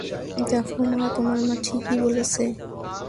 দেখ মা, তোমার মা ঠিকই বলেছে।